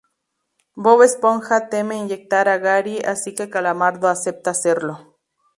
Bob Esponja teme inyectar a Gary, así que Calamardo acepta hacerlo.